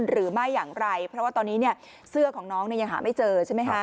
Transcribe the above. หรือไม่อย่างไรเพราะว่าตอนนี้เนี่ยเสื้อของน้องเนี่ยยังหาไม่เจอใช่ไหมคะ